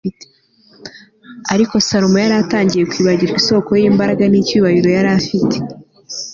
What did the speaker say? ariko salomo yari yaratangiye kwibagirwa isoko y'imbaraga n'icyubahiro yari afite